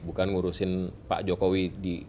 bukan ngurusin pak jokowi di dua ribu sembilan belas